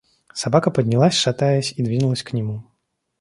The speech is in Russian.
Собака поднялась шатаясь и двинулась к нему.